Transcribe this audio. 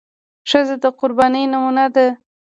ښځه د قربانۍ نمونه ده.